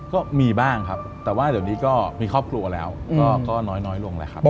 ก็มีบ้างครับแต่ว่าเดี๋ยวนี้ก็มีครอบครัวแล้วก็น้อยลงแล้วครับ